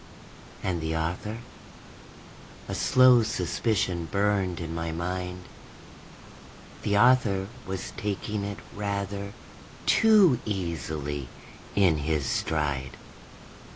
And the author? A slow suspicion burned in my mind. The author was taking it rather too easily in his stride.